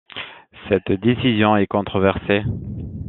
Cette décision est controversée.